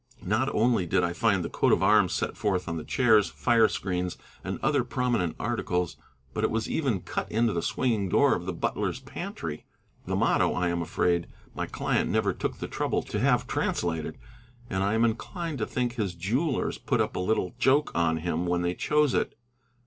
Not only did I find the coat of arms set forth on the chairs, fire screens, and other prominent articles, but it was even cut into the swinging door of the butler's pantry. The motto I am afraid my client never took the trouble to have translated, and I am inclined to think his jewellers put up a little joke on him when they chose it.